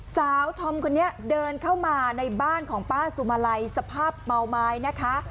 สาวธอมคนนี้เดินเข้ามาในบ้านของป้าสุมาลัยสภาพเมาไม้นะคะ